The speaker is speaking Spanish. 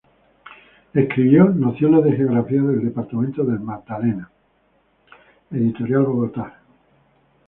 Escribió "Nociones de geografía del Departamento del Magdalena" Editorial Bogotá, Imp.